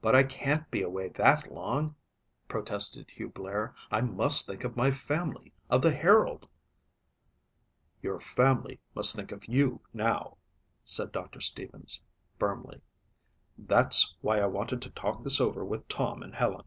"But I can't be away that long," protested Hugh Blair. "I must think of my family, of the Herald." "Your family must think of you now," said Doctor Stevens firmly. "That's why I wanted to talk this over with Tom and Helen."